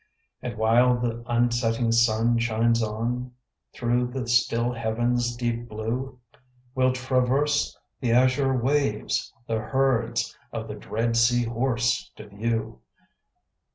And while the unsetting sun shines on Through the still heaven's deep blue, We'll traverse the azure waves, the herds Of the dread sea horse to view.